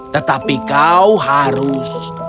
tetapi kau harus